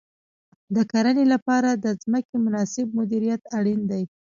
د کرنې لپاره د ځمکې مناسب مدیریت اړین دی.